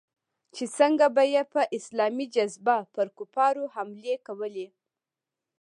چې څنگه به يې په اسلامي جذبه پر کفارو حملې کولې.